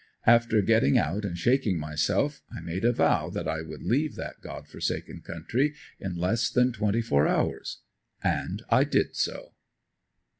After getting out and shaking myself I made a vow that I would leave that God forsaken country in less than twenty four hours; and I did so.